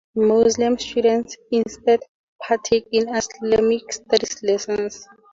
Muslim students instead partake in "Islamic Studies" lessons.